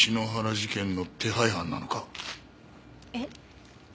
えっ？